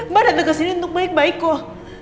mbak datang ke sini untuk baik baik kok